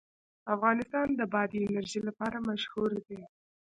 افغانستان د بادي انرژي لپاره مشهور دی.